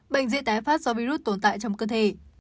bệnh dễ tái phát do virus tồn tại trong cơ thể